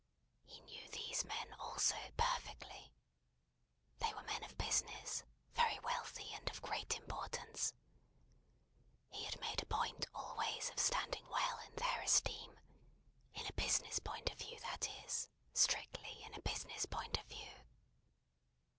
He knew these men, also, perfectly. They were men of business: very wealthy, and of great importance. He had made a point always of standing well in their esteem: in a business point of view, that is; strictly in a business point of view.